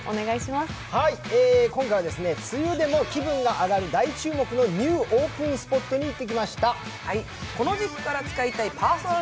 今回は梅雨でも気分が上がる大注目のニューオープンスポットに行ってきました。